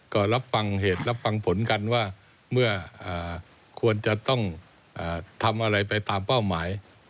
ก็รับฟังเหตุรับฟังผลกันว่าเมื่อควรจะต้องทำอะไรไปตามเป้าหมาย